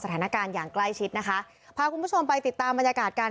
สถานการณ์อย่างใกล้ชิดนะคะพาคุณผู้ชมไปติดตามบรรยากาศการ